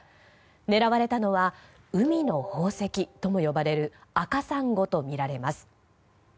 狙われたのは海の宝石とも呼ばれる赤サンゴとみられます。